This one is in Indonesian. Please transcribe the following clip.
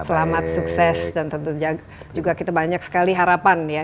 selamat sukses dan tentu juga kita banyak sekali harapan ya